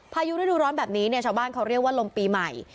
พายุฤดูร้อนแบบนี้เนี่ยชาวบ้านเขาเรียกว่าลมปีใหม่